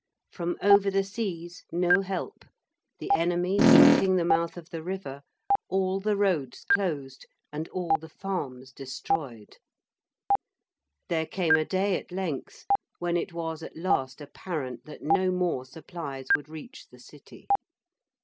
From over the seas no help, the enemy blocking the mouth of the river, all the roads closed and all the farms destroyed. There came a day at length when it was at last apparent that no more supplies would reach the City.